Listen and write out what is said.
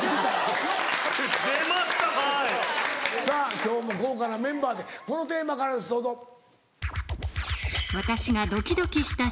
さぁ今日も豪華なメンバーでこのテーマからですどうぞ。